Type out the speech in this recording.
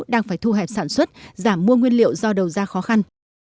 đang phải thu hẹp sản xuất giảm mua nguyên liệu do đầu ra khó khăn